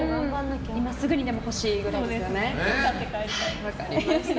今すぐにでも欲しいぐらいですよね。